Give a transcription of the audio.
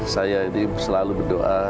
saya ini selalu berdoa